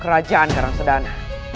kerajaan karang sedana